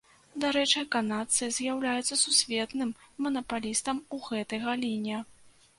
Дарэчы, канадцы з'яўляюцца сусветным манапалістам у гэтай галіне.